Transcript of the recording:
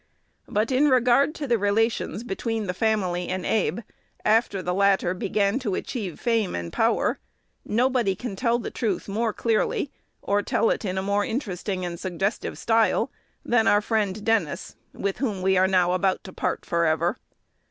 But in regard to the relations between the family and Abe, after the latter began to achieve fame and power, nobody can tell the truth more clearly, or tell it in a more interesting and suggestive style, than our friend Dennis, with whom we are now about to part forever.